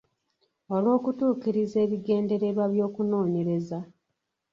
Olw’okutuukiriza ebigendererwa by’okunoonyereza.